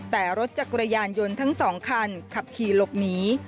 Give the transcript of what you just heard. แต่รถจักรยานยนต์ทั้งสองคันขับขี่หลบหนี